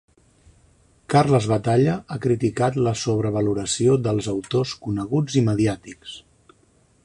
Carles Batalla ha criticat la sobrevaloració dels autors coneguts i mediàtics.